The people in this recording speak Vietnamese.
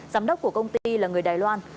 giám đốc của công ty là người đài loan